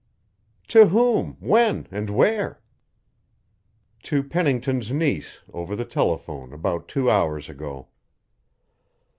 "To whom, when, and where?" "To Pennington's niece, over the telephone about two hours ago."